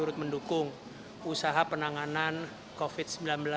turut mendukung usaha penanganan covid sembilan belas